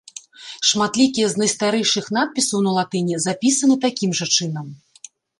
Шматлікія з найстарэйшых надпісаў на латыні запісаны такім жа чынам.